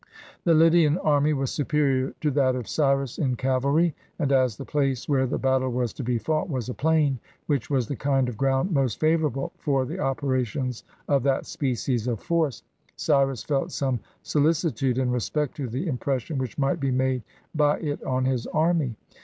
The Lydian army was superior to that of Cyrus in cavalry, and as the place where the battle was to be fought was a plain, which was the kind of ground most favorable for the operations of that species of force, Cyrus felt some solicitude in respect to the impression which might be made by it on his army.